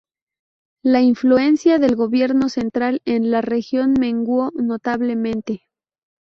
La influencia del Gobierno central en la región menguó notablemente.